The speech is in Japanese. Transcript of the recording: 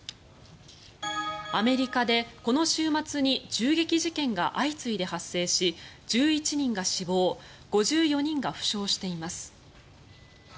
アメリカでこの週末に銃撃事件が相次いで発生し１１人が死亡５４人が負傷しています。